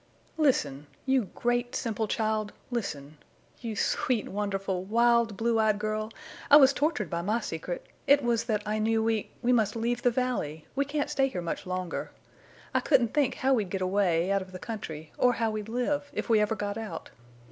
"Listen!... You great, simple child! Listen... You sweet, wonderful, wild, blue eyed girl! I was tortured by my secret. It was that I knew we—we must leave the valley. We can't stay here much longer. I couldn't think how we'd get away—out of the country—or how we'd live, if we ever got out.